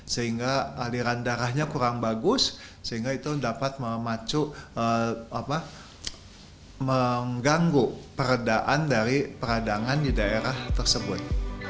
sehingga aliran darahnya kurang bagus sehingga itu dapat mengganggu peredaan dari peradangan di daerah tersebut